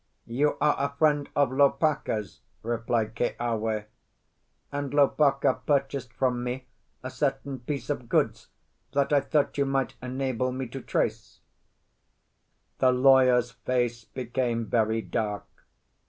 "You are a friend of Lopaka's," replied Keawe, "and Lopaka purchased from me a certain piece of goods that I thought you might enable me to trace." The lawyer's face became very dark.